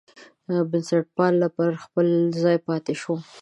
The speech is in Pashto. بنسټپالنه پر خپل ځای پاتې شوه.